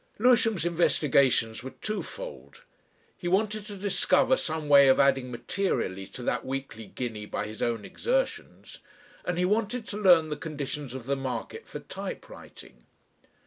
Lewisham's investigations were two fold. He wanted to discover some way of adding materially to that weekly guinea by his own exertions, and he wanted to learn the conditions of the market for typewriting.